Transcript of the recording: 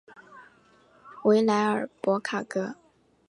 维莱尔博卡格。